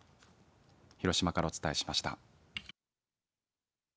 広島からお伝えしました。